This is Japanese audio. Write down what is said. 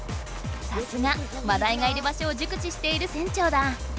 さすがマダイがいる場所を熟知している船長だ！